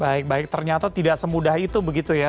baik baik ternyata tidak semudah itu begitu ya